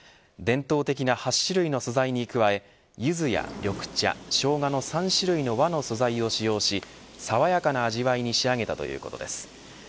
伝統的な８種類の素材に加えゆずや緑茶、ショウガの３種類の和の素材を使用し爽やかな味合いに仕上げたということです。